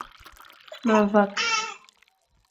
Ma vak.